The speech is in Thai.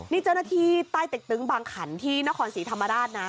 นี่เจ้าหน้าที่ใต้เต็กตึงบางขันที่นครศรีธรรมราชนะ